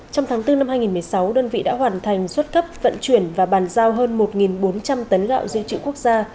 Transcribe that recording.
trong tháng bốn năm hai nghìn một mươi sáu đơn vị đã hoàn thành xuất cấp vận chuyển và bàn giao hơn một bốn trăm linh tấn gạo dự trữ quốc gia